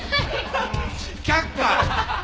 却下！